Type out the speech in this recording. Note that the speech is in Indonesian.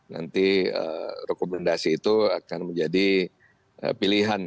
nanti rekomendasi itu akan menjadi pilihan